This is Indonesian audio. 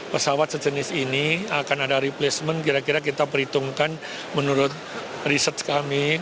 pesawat sejenis ini akan ada replacement kira kira kita perhitungkan menurut riset kami